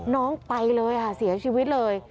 น้องไปเลยค่ะเสียชีวิตเลย